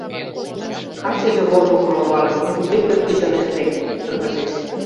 — Качыже вожылшо логалын, нигузе пӧрт гыч ынеж лек, — шыргыжеш.